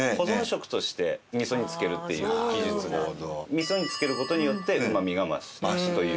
味噌に漬ける事によってうまみが増すという。